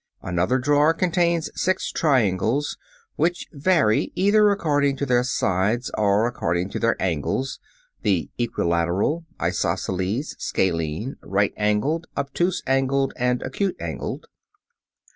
] (3) Another drawer contains six triangles, which vary either according to their sides or according to their angles (the equilateral, isosceles, scalene, right angled, obtuse angled, and acute angled).